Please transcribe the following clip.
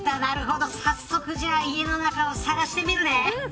じゃあ早速、家の中を探してみるね。